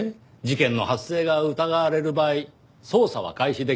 事件の発生が疑われる場合捜査は開始できますが。